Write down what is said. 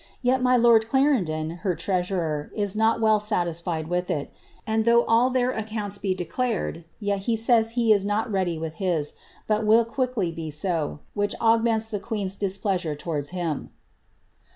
Yet my lord Clarendon, her treasurer, is not well satisfied with it ; and though all their accounts be declared, yet he says he is not ready with his, but will quickly be so, which augments the queen's displeasure towards him."